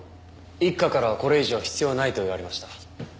一課からはこれ以上は必要ないと言われました。